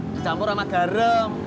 kecampur sama garam